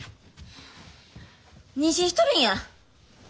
妊娠しとるんや私。